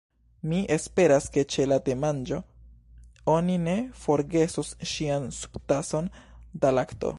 "Mi esperas ke ĉe la temanĝo oni ne forgesos ŝian subtason da lakto.